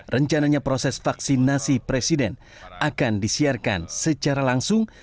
rencananya proses vaksinasi presiden akan disiarkan secara langsung